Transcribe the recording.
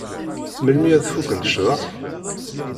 Melmi ad fukkent cḍeḥ?